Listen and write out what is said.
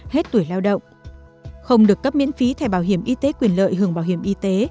hết tuổi lao động không được cấp miễn phí thẻ bảo hiểm y tế quyền lợi hưởng bảo hiểm y tế